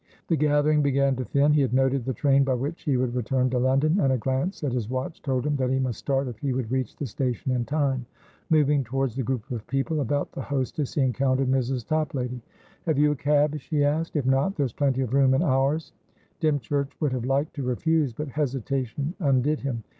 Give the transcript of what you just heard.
The gathering began to thin. He had noted the train by which he would return to London, and a glance at his watch told him that he must start if he would reach the station in time. Moving towards the group of people about the hostess, he encountered Mrs. Toplady. "Have you a cab?" she asked. "If not, there's plenty of room in ours." Dymchurch would have liked to refuse, but hesitation undid him.